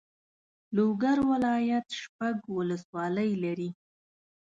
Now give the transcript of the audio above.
لوګر ولایت شپږ والسوالۍ لري.